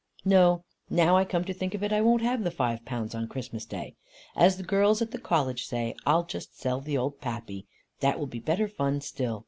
"No. Now I come to think of it, I won't have the five pounds on Christmas day. As the girls at the College say, I'll just sell the old Pappy. That will be better fun still.